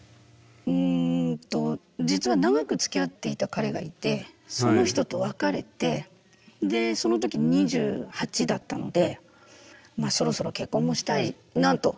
うんと実は長くつきあっていた彼がいてその人と別れてでその時２８だったのでそろそろ結婚もしたいなと。